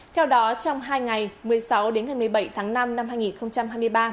theo đó trong hai ngày một mươi sáu một mươi bảy tháng năm năm hai nghìn hai mươi ba